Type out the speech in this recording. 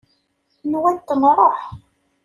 Nwant nruḥ.